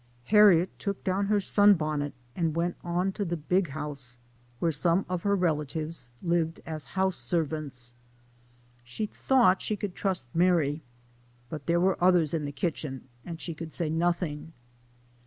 Harriet took down her sun bonnet, and went on to the " big house," where some of her relatives lived as house servants. She thought she could trust Mary, but there were others in the kitchen, and she could say nothing.